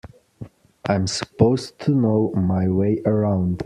I'm supposed to know my way around.